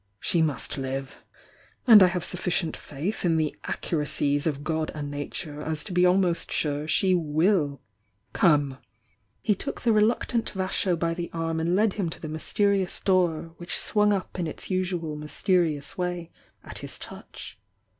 She must live And I have sufficient faith m the accuracies of G.,d and Nature as to be almost sure she will! ^ X took the reluctant Vasho by the arm and led him to the mysterious door,, which swung up inite usual mysterious way at his touch.